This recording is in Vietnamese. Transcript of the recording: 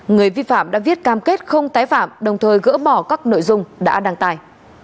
người vi phạm đã viết cam kết không tái phạm đồng thời gỡ bỏ các nội dung đã đăng tải